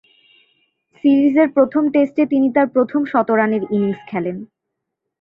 সিরিজের প্রথম টেস্টে তিনি তার প্রথম শতরানের ইনিংস খেলেন।